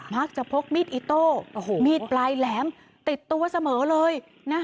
พกมีดอิโต้มีดปลายแหลมติดตัวเสมอเลย